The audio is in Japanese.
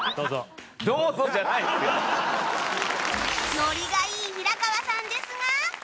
ノリがいい平川さんですが